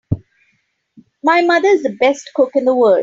My mother is the best cook in the world!